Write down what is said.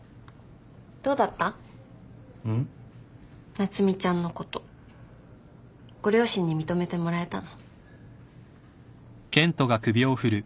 夏海ちゃんのことご両親に認めてもらえたの？